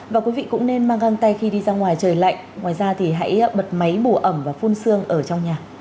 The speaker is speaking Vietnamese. và quý vị cũng nên mang găng tay khi đi ra ngoài trời lạnh ngoài ra thì hãy bật máy bù ẩm và phun xương ở trong nhà